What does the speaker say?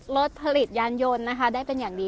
ลดผลิตยานยนต์นะคะได้เป็นอย่างดี